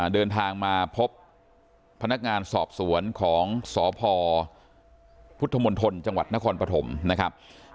เดินทางมาพบพนักงานสอบสวนของสพพุทธมณฑลจังหวัดนครปฐมนะครับ